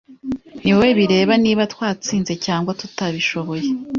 Ni wowe bireba niba twatsinze cyangwa tutabishoboye.